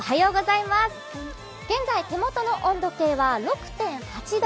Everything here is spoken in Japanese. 現在、手元の温度計は６．８度。